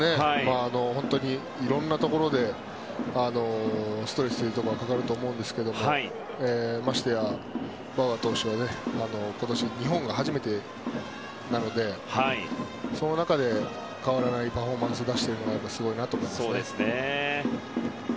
いろんなところでストレスがかかると思うんですがましてや、バウアー投手は今年、日本が初めてなのでその中で変わらないパフォーマンスを出しているのがすごいなと思いますね。